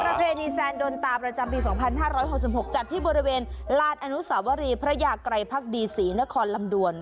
ประเพณีแซนโดนตาประจำปี๒๕๖๖จัดที่บริเวณลานอนุสาวรีพระยาไกรภักดีศรีนครลำดวน